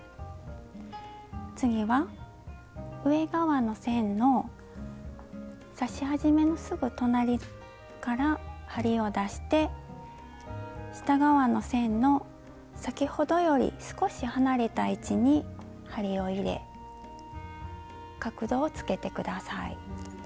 次は上側の線の刺し始めのすぐ隣から針を出して下側の線の先ほどより少し離れた位置に針を入れ角度をつけて下さい。